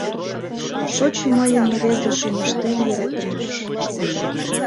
Шочо мыйын рвезе шӱмыштем йӧратымаш…